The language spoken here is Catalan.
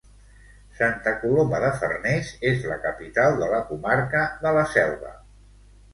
Santa Coloma de Farners és la capital de la comarca de la Selva.